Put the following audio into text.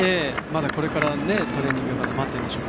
これからトレーニングが待っているんでしょうね。